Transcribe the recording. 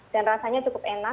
dan rasanya cukup enak